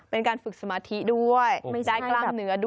เป็นการฝึกสมาธิด้วยได้กล้ามเนื้อด้วย